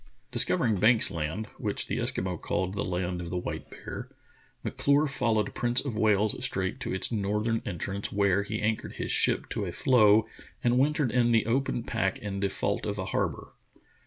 Discovering Banks Land, which the Eskimo called ''The Land of the White Bear," M'Clure followed Prince of Wales Strait to its northern entrance, where he anchored his ship to a floe and wintered in the open pack in default of a harbor.